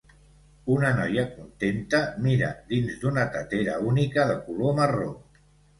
Una noia contenta mira dins d'una tetera única de color marró